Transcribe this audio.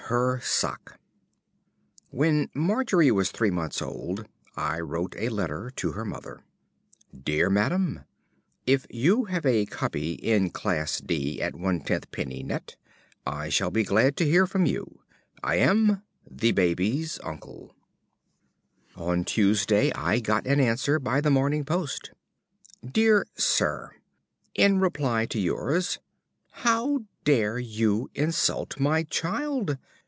HER SOCK I When Margery was three months old I wrote a letter to her mother: Dear Madam, If you have a copy in Class D at 1/10d. net, I shall be glad to hear from you. I am, ~The Baby's Uncle~. On Tuesday I got an answer by the morning post: Dear Sir, In reply to yours: How dare you insult my child?